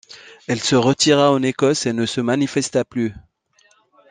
Elle se retira en Écosse et ne se manifesta plus.